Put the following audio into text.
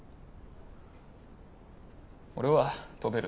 俺は飛べる。